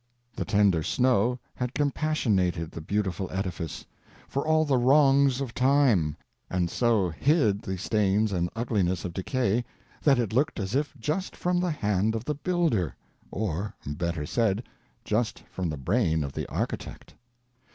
The tender snow had compassionated the beautiful edifice for all the wrongs of time, and so hid the stains and ugliness of decay that it looked as if just from the hand of the builder—or, better said, just from the brain of the architect.